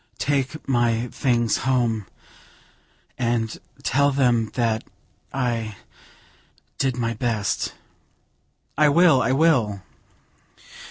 "Take my things home, and tell them that I did my best." "I will! I will!"